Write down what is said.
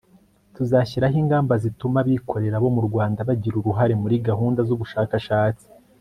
tuzashyiraho ingamba zituma abikorera bo mu rwanda bagira uruhare muri gahunda z'ubushakashatsi